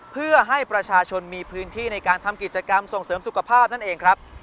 เพื่อให้ประชาชนมีพื้นที่ในการทำกิจกรรมส่งเสริมสุขภาพนั่นเองครับ